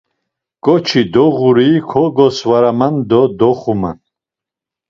Ǩoçi doğurui kogosvaraman do doxuman.